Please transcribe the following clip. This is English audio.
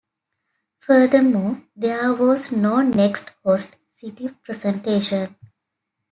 Furthermore, there was no next host city presentation.